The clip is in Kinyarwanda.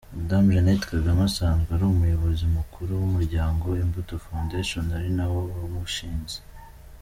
Madame Jeannette Kagame asanzwe ari umuyobozi mukuru w’umuryango Imbuto Foundation, ari nawe wawushinze.